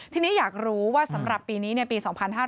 ทีนี้อยากรู้ว่าสำหรับปีนี้ปี๒๕๕๙